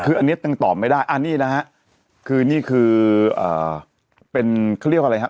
คืออันนี้ยังตอบไม่ได้อันนี้นะฮะคือนี่คือเป็นเขาเรียกว่าอะไรฮะ